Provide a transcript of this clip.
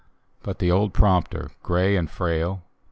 But die old prompter, grey and frail.